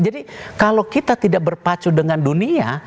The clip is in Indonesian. jadi kalau kita tidak berpacu dengan dunia